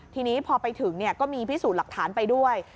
ทีนี้พอไปถึงก็มีพิสูจน์หลักฐานไปด้วย